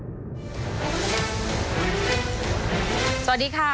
ชูวิทย์ตีแสกหน้า